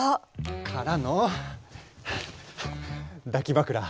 からの抱き枕。